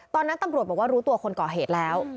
ตอนนั้นตำรวจบอกว่ารู้ตัวคนก่อเหตุแล้ว